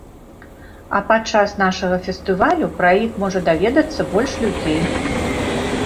А падчас нашага фестывалю пра іх можа даведацца больш людзей.